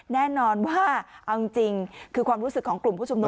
แน่นอนว่าเอาจริงคือความรู้สึกของกลุ่มผู้ชุมนุม